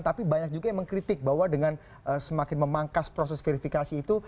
tapi banyak juga yang mengkritik bahwa dengan semakin memangkas proses verifikasi itu